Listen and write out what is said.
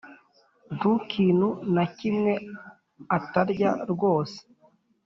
Ntakinu nakimwe atarya rwose